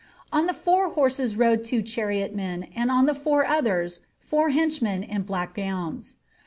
On the fore horses rode two chariotmen, and on the four others, four henchmen in black gowns.